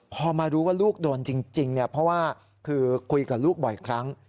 พอมารู้ว่าลูกโดนจริงเพราะว่าคือคุยกับลูกบ่อยครั้ง